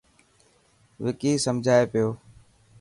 وڪي سمجهائي پيو.